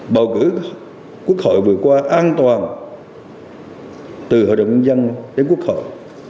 bầu cử quốc hội vừa qua an toàn từ hội đồng nhân dân đến quốc hội